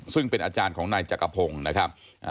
ซึ่งเป็นอาจารย์ของนายจักรพงศ์นะครับ